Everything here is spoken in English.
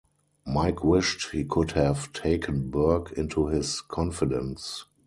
Mike wished he could have taken Burke into his confidence.